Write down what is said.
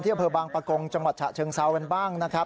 ที่เผอร์บางปะกงจังหวัดฉระเชิงเตือนเป็นบ้างนะครับ